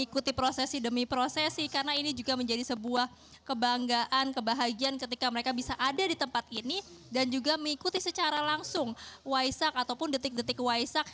karena ini juga menjadi sebuah kebanggaan kebahagiaan ketika mereka bisa ada di tempat ini dan juga mengikuti secara langsung waisak ataupun detik detik waisak